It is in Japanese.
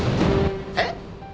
えっ！？